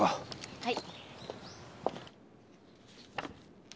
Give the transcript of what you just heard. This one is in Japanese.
はい。